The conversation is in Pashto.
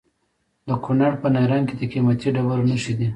د کونړ په نرنګ کې د قیمتي ډبرو نښې دي.